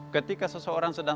ketika seseorang sedang